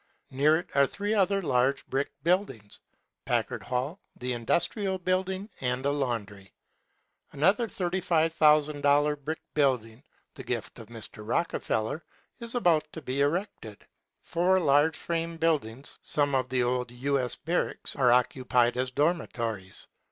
Near it are three other large brick buildings, Packard Hall, the Industrial Building, and a laundry. Another $35,000 brick building, the gift of Mr. Rodcefeller, is about to be erected. Four large fi:ame buildings, some of the old U. S. barracks, are occupied as dormitories.